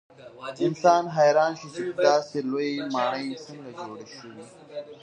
انسان حیران شي چې داسې لویې ماڼۍ څنګه جوړې شوې.